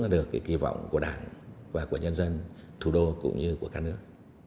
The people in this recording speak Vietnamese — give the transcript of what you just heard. được kỳ vọng của đảng và của nhân dân thủ đô cũng như của cả nước